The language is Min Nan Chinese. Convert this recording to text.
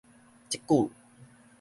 這久